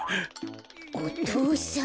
お父さん。